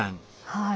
はい。